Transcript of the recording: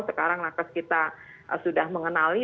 sekarang nakes kita sudah mengenali